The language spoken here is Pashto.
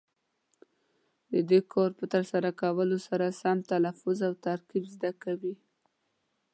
د دې کار په ترسره کولو سره سم تلفظ او ترکیب زده کوي.